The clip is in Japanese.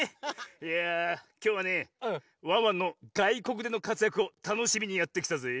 いやきょうはねワンワンのがいこくでのかつやくをたのしみにやってきたぜぇ。